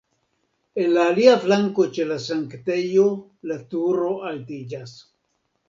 En la alia flanko ĉe la sanktejo la turo altiĝas.